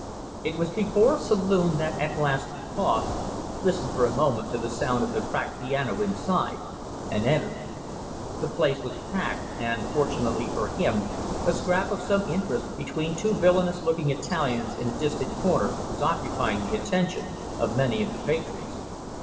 It was before a saloon that at last he paused, listened for a moment to the sound of a cracked piano inside, and entered. The place was packed, and, fortunately for him, a scrap of some interest between two villainous looking Italians in a distant corner was occupying the attention of many of the patrons.